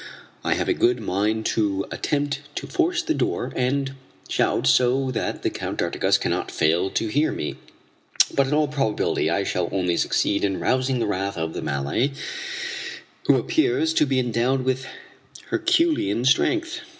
I have a good mind to attempt to force the door and shout so that the Count d'Artigas cannot fail to hear me, but in all probability I shall only succeed in rousing the wrath of the Malay, who appears to be endowed with herculean strength.